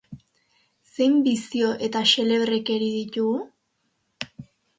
Zein bizio eta xelebrekeri ditugu?